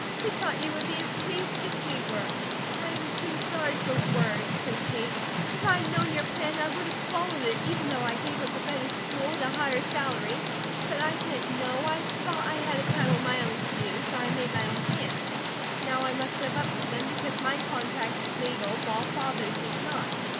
We thought you would be as pleased as we were." "I am too sorry for words," said Kate. "If I had known your plan, I would have followed it, even though I gave up a better school at a higher salary. But I didn't know. I thought I had to paddle my own canoe, so I made my own plans. Now I must live up to them, because my contract is legal, while Father's is not.